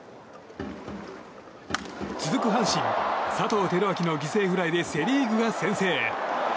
続く阪神、佐藤輝明の犠牲フライでセリーグが先制。